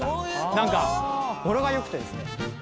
なんか語呂が良くてですね。